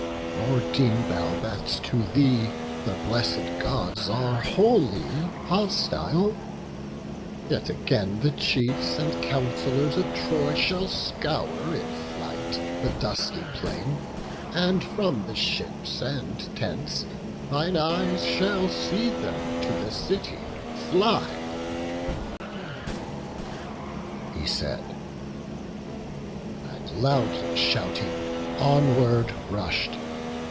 Nor deem thou that to thee the blessed Gods Are wholly hostile; yet again the chiefs And councillors of Troy shall scour in flight The dusty plain; and from the ships and tents Thine eyes shall see them to the city fly." He said; and loudly shouting, onward rush'd.